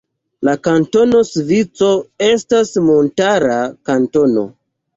La Kantono Ŝvico estas montara kantono.